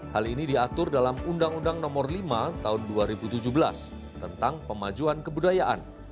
hal ini diatur dalam undang undang nomor lima tahun dua ribu tujuh belas tentang pemajuan kebudayaan